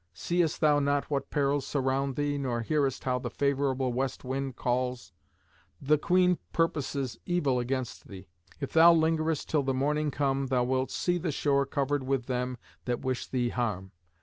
seest thou not what perils surround thee, nor hearest how the favourable west wind calls? The queen purposes evil against thee. If thou lingerest till the morning come thou wilt see the shore covered with them that wish thee harm.